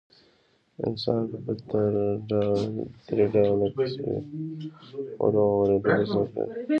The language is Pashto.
انسان په فطري ډول د کيسې اورولو او اورېدلو ذوق لري